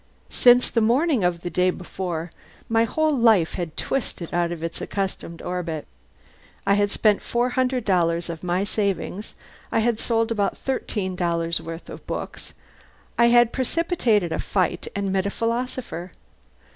Since the morning of the day before my whole life had twisted out of its accustomed orbit. I had spent four hundred dollars of my savings; I had sold about thirteen dollars' worth of books; I had precipitated a fight and met a philosopher.